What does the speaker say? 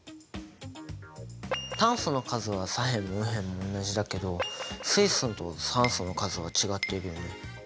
炭素の数は左辺も右辺も同じだけど水素と酸素の数は違っているよね。